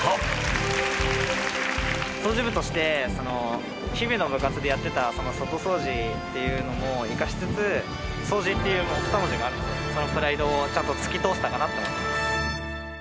掃除部として日々の部活でやってた外掃除っていうのも生かしつつ掃除っていう２文字があるのでそのプライドをちゃんと突き通せたかなって思います。